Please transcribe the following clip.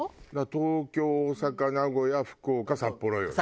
東京大阪名古屋福岡札幌よね。